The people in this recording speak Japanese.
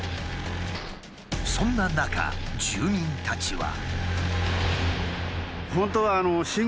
そんな中住民たちは。